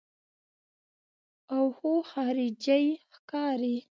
اوهو خارجۍ ښکاري.